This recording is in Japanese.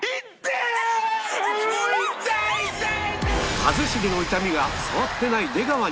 一茂の痛みが触ってない出川に？